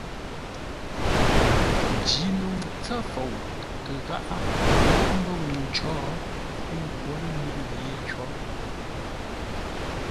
Njino ntsə́ fou kə gháʼa mbə́ ŋuu cǒ, ə́ ngwǒ ləluŋú yé có.